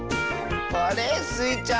あれ？スイちゃん。